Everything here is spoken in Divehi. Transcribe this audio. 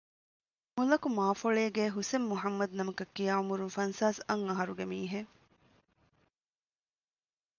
މުލަކު މާފޮޅޭގޭ ޙުސައިން މުޙައްމަދު ނަމަކަށްކިޔާ ޢުމުރުން ފަންސާސް އަށް އަހަރުގެ މީހެއް